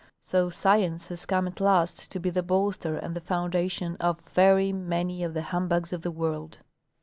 So science has come at last to be the bolster and the foundation of very many of the humbugs of the world.